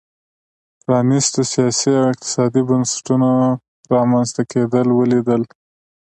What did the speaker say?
پرانیستو سیاسي او اقتصادي بنسټونو رامنځته کېدل ولیدل.